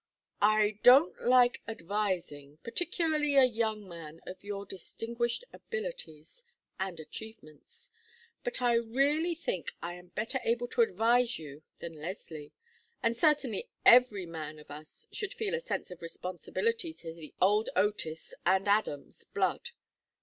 "I don't like advising, particularly a young man of your distinguished abilities and achievements. But I really think I am better able to advise you than Leslie, and certainly every man of us should feel a sense of responsibility to the old Otis and Adams! blood.